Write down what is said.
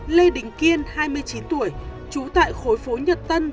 lê đình kiên hai mươi chín tuổi trú tại khối phố nhật tân